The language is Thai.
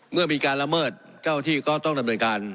เมื่อมีการละเมิดเจ้าที่ก็ต้องดำเนินการ